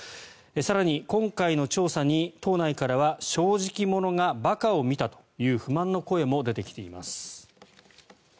更に、今回の調査に党内からは正直者が馬鹿を見たという不満の声も出てきています。